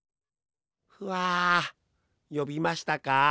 ふあよびましたか？